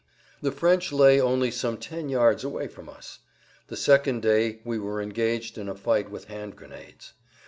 The French lay only some ten yards away from us. The second day we were engaged in a fight with hand grenades.